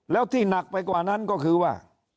แล้วที่หนักไปกว่านั้นก็คือว่า